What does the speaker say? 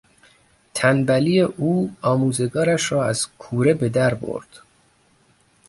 تنبلی او آموزگارش را از کوره بدر برد.